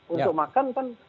untuk makan kan